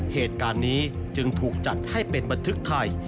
เหตุการณ์นี้จึงถูกจัดให้เป็นบันทึกไทย